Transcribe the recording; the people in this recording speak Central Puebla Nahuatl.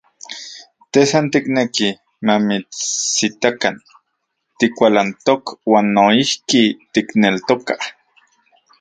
Te san tikneki mamitsitakan tikualantok, uan noijki tikneltokaj.